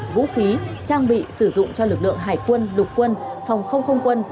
vũ khí trang bị sử dụng cho lực lượng hải quân lục quân phòng không không quân